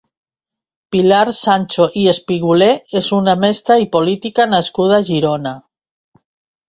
Pilar Sancho i Espigulé és una mestra i política nascuda a Girona.